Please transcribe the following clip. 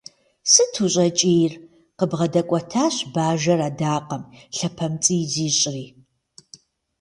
Сыт ущӏэкӏийр?- къыбгъэдэкӏуэтащ бажэр адакъэм, лъапэпцӏий зищӏри.